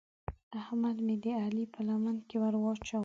احمد مې د علي په لمن کې ور واچاوو.